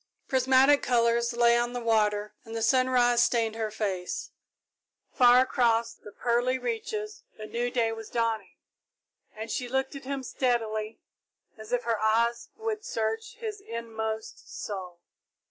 Prismatic colours lay on the water and the sunrise stained her face. Far across the pearly reaches a new day was dawning, and she looked at him steadily, as if her eyes would search his inmost soul.